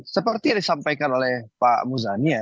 seperti yang disampaikan oleh pak muzani ya